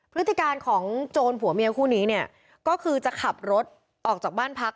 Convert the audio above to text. พฤติการของโจรผัวเมียคู่นี้เนี่ยก็คือจะขับรถออกจากบ้านพัก